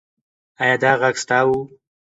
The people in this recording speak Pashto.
ایا دا غږ ستا و؟